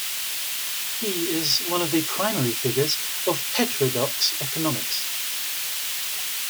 He is one of the primary figures of heterodox economics.